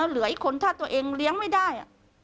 เหลืออีกคนถ้าตัวเองเลี้ยงไม่ได้